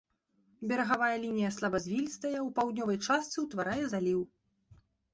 Берагавая лінія слабазвілістая, у паўднёвай частцы ўтварае заліў.